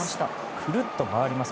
くるっと回ります。